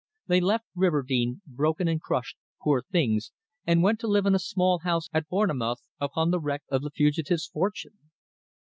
They left Riverdene broken and crushed, poor things, and went to live in a small house at Bournemouth upon the wreck of the fugitive's fortune.